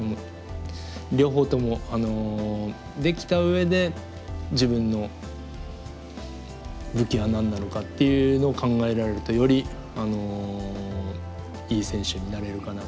両方ともできた上で自分の武器は何なのかっていうのを考えられるとよりいい選手になれるかなと思います。